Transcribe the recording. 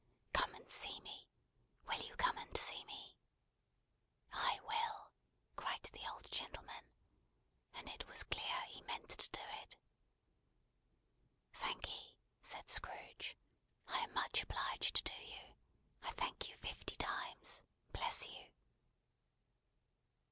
"Come and see me. Will you come and see me?" "I will!" cried the old gentleman. And it was clear he meant to do it. "Thank'ee," said Scrooge. "I am much obliged to you. I thank you fifty times. Bless you!"